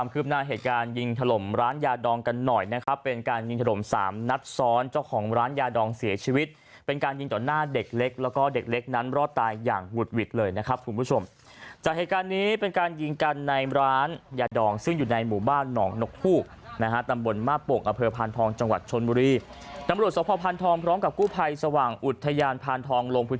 คืบหน้าเหตุการณ์ยิงถล่มร้านยาดองกันหน่อยนะครับเป็นการยิงถล่มสามนัดซ้อนเจ้าของร้านยาดองเสียชีวิตเป็นการยิงต่อหน้าเด็กเล็กแล้วก็เด็กเล็กนั้นรอดตายอย่างหวุดหวิดเลยนะครับคุณผู้ชมจากเหตุการณ์นี้เป็นการยิงกันในร้านยาดองซึ่งอยู่ในหมู่บ้านหนองนกฮูกนะฮะตำบลมาปกอเผลอพานทองจังหวัดชนมุร